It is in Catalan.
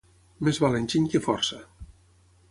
Més val enginy que força.